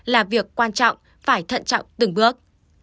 là việc quan trọng phải thận trọng từng bước